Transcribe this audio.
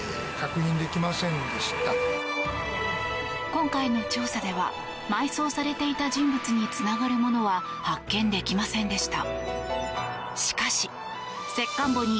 今回の調査では埋葬されていた人物につながるものは発見できませんでした。